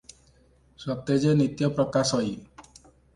ସ୍ୱତେଜେ ନିତ୍ୟ ପ୍ରକାଶଇ ।